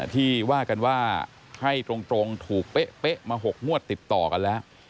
ที่ว่ากันว่าให้ตรงถูกเป๊ะมา๖งวดติดต่อกันแล้ว